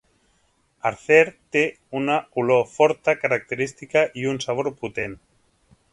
Harzer té una olor forta característica i un sabor potent.